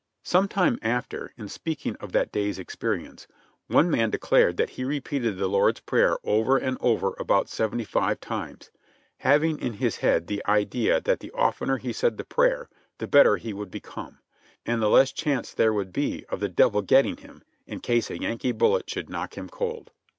Some time after, in speaking of that day's experience, one man declared that he repeated the Lord's prayer over and over about seventy five times, having in his head the idea that the oftener he said the prayer the better he would become, and the less chance there would be of the Devil getting him in case a Yankee bullet should knock him cold.